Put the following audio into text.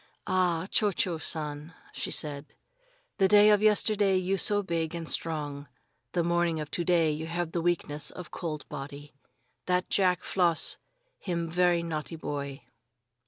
"Ah, Cho Cho San," she said, "the day of yesterday you so big and strong. The morning of to day you have the weakness of cold body. That Jack Floss him ve'y naughty boy!"